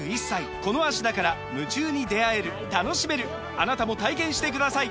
あなたも体験してください！